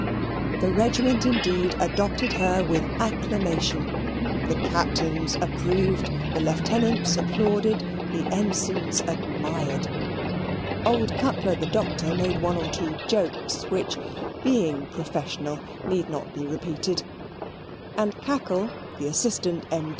The regiment indeed adopted her with acclamation. The Captains approved, the Lieutenants applauded, the Ensigns admired. Old Cutler, the Doctor, made one or two jokes, which, being professional, need not be repeated; and Cackle, the Assistant M.